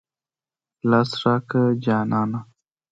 لاس راکه جانانه.